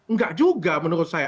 nggak juga menurut saya